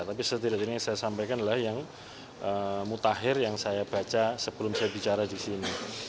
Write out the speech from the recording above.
tapi setidaknya yang saya sampaikan adalah yang mutakhir yang saya baca sebelum saya bicara di sini